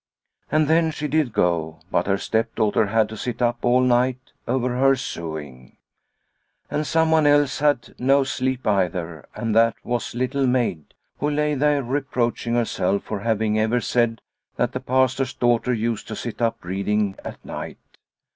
And then she did go, but her stepdaughter had to sit up all night over her sewing. The Pastor of Svartsjo 85 And someone else had no sleep either, and that was Little Maid, who lay there reproaching herself for having ever said that the Pastor's daughter used to sit up reading at night.